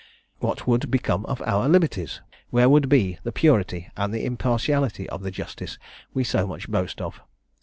What would become of our liberties? Where would be the purity and the impartiality of the justice we so much boast of?